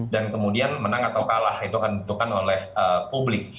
dan kemudian menang atau kalah itu akan ditentukan oleh publik